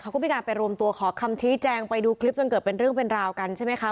เขาก็มีการไปรวมตัวขอคำชี้แจงไปดูคลิปจนเกิดเป็นเรื่องเป็นราวกันใช่ไหมคะ